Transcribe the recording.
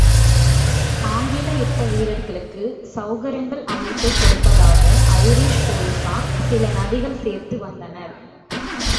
ஆங்கில யுத்த வீரர்களுக்குச் செளகரியங்கள் அமைத்துக் கொடுப்பதாக ஐரிஷ் போலிஸார் சில நிதிகள் சேர்த்து வந்தனர்.